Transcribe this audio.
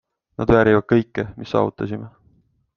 Nad väärivad kõike, mis saavutasime.